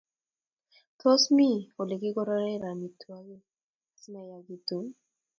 Tos, ni kiiy negeee eng olegigonoren amitwogik simayaagitun